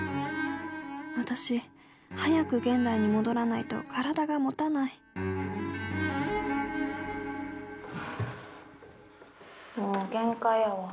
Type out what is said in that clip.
私早く現代に戻らないと体がもたないはあもう限界やわ。